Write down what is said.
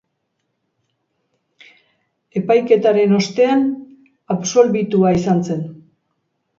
Epaiketaren ostean, absolbitua izan zen.